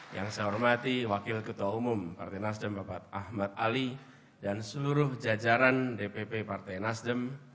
yang saya hormati wakil ketua umum partai nasdem bapak ahmad ali dan seluruh jajaran dpp partai nasdem